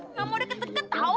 nggak mau deket deket tau